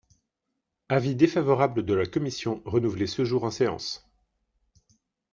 Avis défavorable de la commission, renouvelé ce jour en séance.